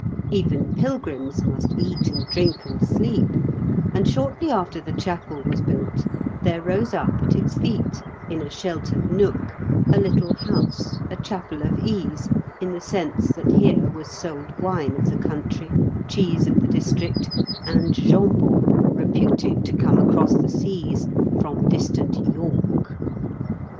Even pilgrims must eat and drink and sleep, and shortly after the chapel was built there rose up at its feet, in a sheltered nook, a little house, a chapel of ease in the sense that here was sold wine of the country, cheese of the district, and jambon reputed to come across the seas from distant "Yorck."